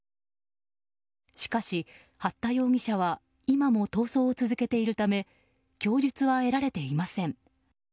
しかし、八田容疑者は今も逃走を続けているため供述は得られていません。